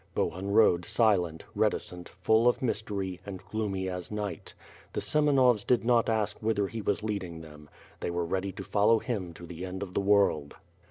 Bohun rode silent, reticent, full of mystery, and gloomy as night. The Semenovs did not ask whither he was leading them. They were ready to follow^ him to the end of the world.